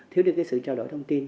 thiếu đi cái sự trao đổi thông tin